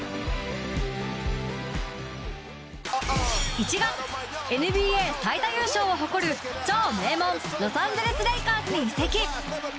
１月ＮＢＡ最多優勝を誇る超名門ロサンゼルス・レイカーズに移籍。